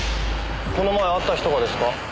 この前会った人がですか？